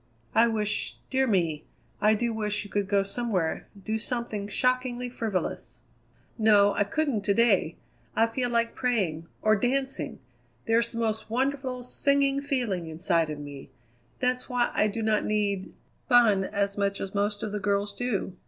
"I wish dear me! I do wish you could go somewhere; do something shockingly frivolous." "No, I couldn't to day. I feel like praying or dancing. There's the most wonderful, singing feeling inside of me. That's why I do not need fun as much as most of the girls do.